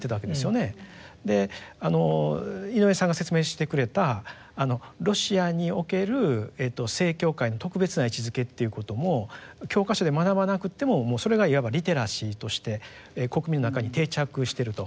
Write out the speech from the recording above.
井上さんが説明してくれたロシアにおける正教会の特別な位置づけっていうことも教科書で学ばなくてももうそれがいわばリテラシーとして国民の中に定着してると。